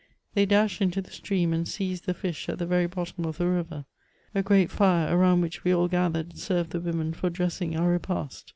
They dash into the stream, and seize the fish at the very bottom of the river. A great fire, around which we all gathered, served the women for dressing our repast.